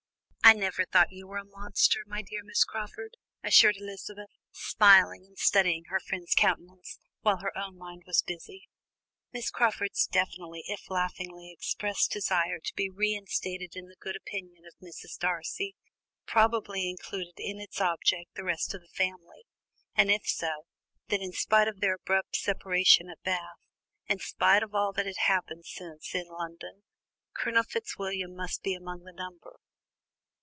"I never thought you were a monster, my dear Miss Crawford," assured Elizabeth, smiling and studying her guest's countenance while her own mind was busy. Miss Crawford's definitely, if laughingly expressed desire to be reinstated in the good opinion of Mrs. Darcy, probably included in its object the rest of the family; and, if so, then in spite of their abrupt separation at Bath, in spite of all that had happened since in London, Colonel Fitzwilliam must be among the number.